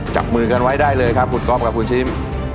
จับมือกันไว้ได้เลยครับคุณก๊อฟกับคุณชิม